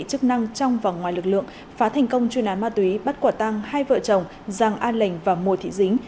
chức năng trong và ngoài lực lượng phá thành công chuyên án ma túy bắt quả tăng hai vợ chồng giang an lành và mùa thị dính